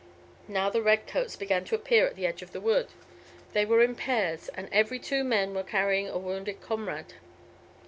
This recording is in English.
Now the redcoats began to appear at the edge of the wood. They were in pairs, and every two men were carrying a wounded comrade.